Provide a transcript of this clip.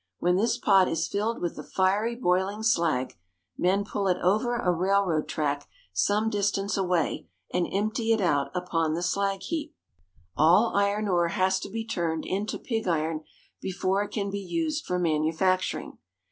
When this pot is filled with the fiery, boiling slag, men pull it over a railroad track some distance away, and empt}^ it out upon the slag heap. All iron ore has to be turned into pig iron before it can be used for manufacturing.